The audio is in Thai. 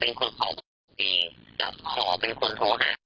แล้วก็เป็นคนขอบุญดีแล้วขอเป็นคนโทรหาเอง